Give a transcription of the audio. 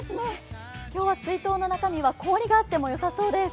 今日は水筒の中身は氷があってもよさそうです。